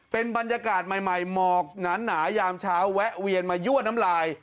เป็นบรรยากาศใหม่หมอกหนายามเช้าแวะเวียนมายั่วน้ำลาย